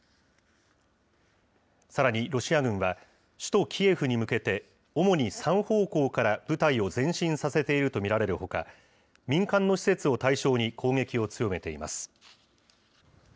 さらにロシア軍は、首都キエフに向けて、主に３方向から部隊を前進させていると見られるほか、民間の施設を対象に攻撃を強めています。